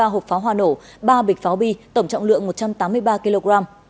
ba hộp pháo hoa nổ ba bịch pháo bi tổng trọng lượng một trăm tám mươi ba kg